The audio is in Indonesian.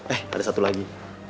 eh ada satu lagi